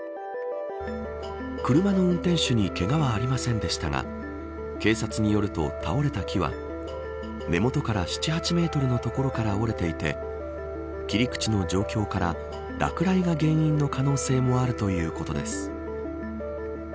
車の運転手にけがはありませんでしたが警察によると倒れた木は根元から７、８メートルのところから折れていて切り口の状況から落雷が原因の可能性もあるということです。